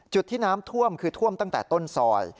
จุดที่น้ำท่วมคือท่วมตั้งแต่ต้นซอย